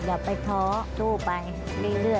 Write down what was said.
อย่าไปท้อสู้ไปเรื่อย